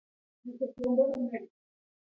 ازادي راډیو د کلتور ته پام اړولی.